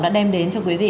đã đem đến cho quý vị